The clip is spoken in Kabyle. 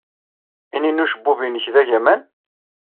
Ini n ucebbub-nnek d agaman?